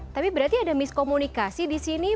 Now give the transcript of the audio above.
tapi berarti ada miskomunikasi di sini